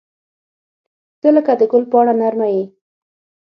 • ته لکه د ګل پاڼه نرمه یې.